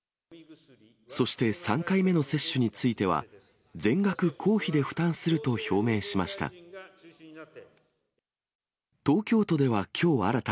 そして３回目の接種については、全額公費で負担すると表明しました。